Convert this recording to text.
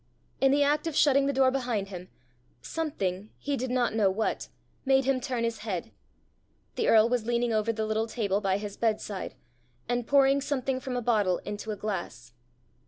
In the act of shutting the door behind him, something, he did not know what, made him turn his head: the earl was leaning over the little table by his bedside, and pouring something from a bottle into a glass.